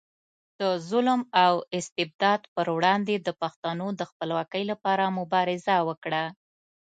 د ظلم او استبداد پر وړاندې د پښتنو د خپلواکۍ لپاره مبارزه وکړه.